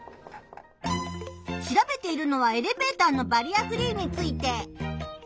調べているのはエレベーターのバリアフリーについて。